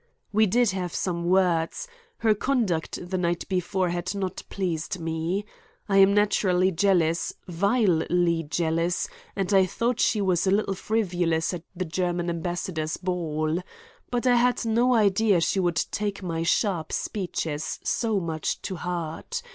"We did have some words; her conduct the night before had not pleased me. I am naturally jealous, vilely jealous, and I thought she was a little frivolous at the German ambassador's ball. But I had no idea she would take my sharp speeches so much to heart.